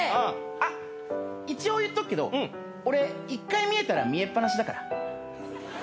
あっ一応言っとくけど俺１回見えたら見えっぱなしだから。